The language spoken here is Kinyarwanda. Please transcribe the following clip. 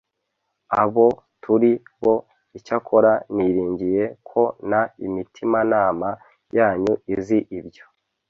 abo turi bo icyakora niringiye ko n imitimanama yanyu izi ibyo